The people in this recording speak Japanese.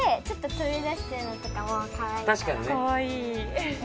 かわいい。